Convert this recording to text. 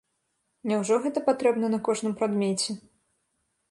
Няўжо гэта патрэбна па кожным прадмеце?